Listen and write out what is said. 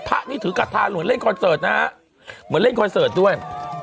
พระนี่ถือกระทาหลวนเล่นคอนเสิร์ตนะฮะเหมือนเล่นคอนเสิร์ตด้วย